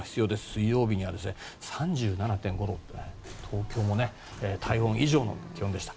水曜日には３７．５度と東京も体温以上の気温でした。